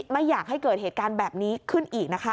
ไม่อยากให้เกิดเหตุการณ์แบบนี้ขึ้นอีกนะคะ